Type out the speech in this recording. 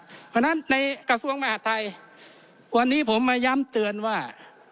เพราะฉะนั้นในกระทรวงมหาดไทยวันนี้ผมมาย้ำเตือนว่า